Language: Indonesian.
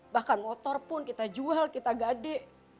bahkan motor pun kita jual kita gade